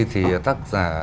thì tác giả